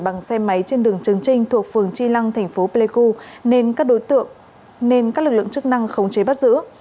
bằng xe máy trên đường trần trinh thuộc phường tri lăng tp plq nên các lực lượng chức năng khống chế bắt giữ